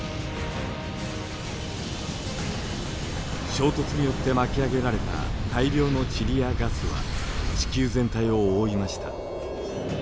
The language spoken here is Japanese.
衝突によって巻き上げられた大量の塵やガスは地球全体を覆いました。